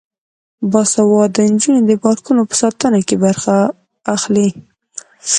باسواده نجونې د پارکونو په ساتنه کې برخه اخلي.